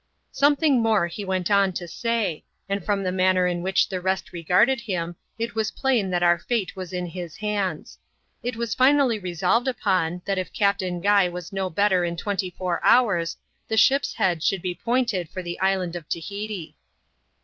Something more be went on to say ; and from the manner in which the rest r^arded him, it was plain that our fate was in his hands. It was finally resolved upon, that if Captain Guy was nor better in twenty four hours, the ship's head should be p<Hnted for the island of Tahiti.